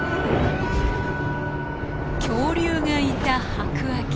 恐竜がいた白亜紀。